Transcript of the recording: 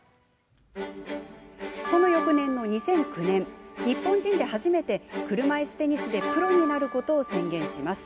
その翌年の２００９年日本人で初めて車いすテニスでプロになることを宣言します。